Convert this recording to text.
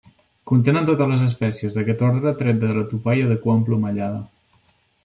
Contenen totes les espècies d'aquest ordre tret de la tupaia de cua emplomallada.